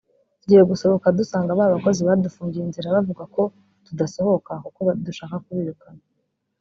tugiye gusohoka dusanga ba bakozi badufungiye inzira bavuga ko tudasohoka kuko dushaka kubirukana